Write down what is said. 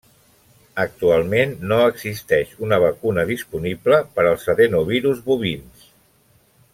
Actualment no existeix una vacuna disponible per als adenovirus bovins.